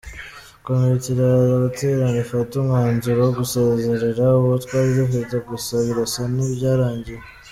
Komite iraza guterana ifate umwanzuro wo gusezerera uwo twari dufite, gusa birasa n’ibyarangiye.